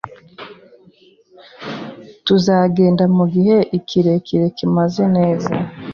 Tuzagenda mugihe ikirere kimeze neza